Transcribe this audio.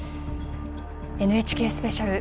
「ＮＨＫスペシャル」